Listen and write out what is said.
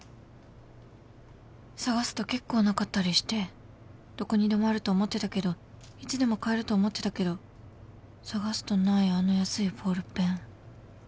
探すと結構なかったりしてどこにでもあると思ってたけどいつでも買えると思ってたけど探すとないあの安いボールペン